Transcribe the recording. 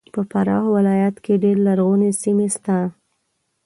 په فراه ولایت کې ډېر لرغونې سیمې سته